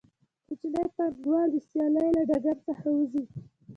کوچني پانګوال د سیالۍ له ډګر څخه وځي